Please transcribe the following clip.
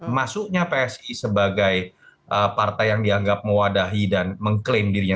masuknya psi sebagai partai yang dianggap mewadahi dan mengklaim dirinya